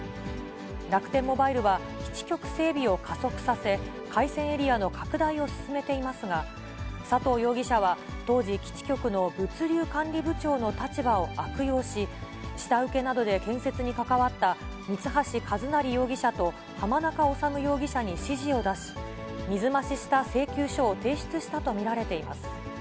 楽天モバイルは基地局整備を加速させ、回線エリアの拡大を進めていますが、佐藤容疑者は、当時、基地局の物流管理部長の立場を悪用し、下請けなどで建設に関わった三橋一成容疑者と浜中治容疑者に指示を出し、水増しした請求書を提出したと見られています。